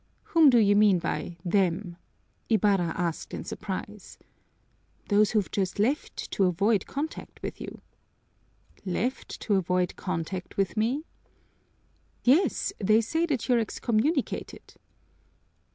"Whom do you mean by them?" Ibarra asked in surprise. "Those who've just left to avoid contact with you." "Left to avoid contact with me?" "Yes, they say that you're excommunicated."